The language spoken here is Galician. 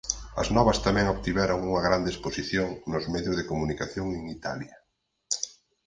As novas tamén obtiveron unha grande exposición nos medios de comunicación en Italia.